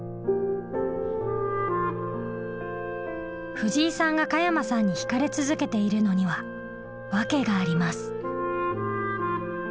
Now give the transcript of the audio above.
藤井さんが加山さんに惹かれ続けているのには訳があります。